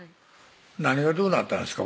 何がどうなったんですか？